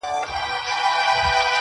ګران وطنه دا هم زور د میني ستا دی,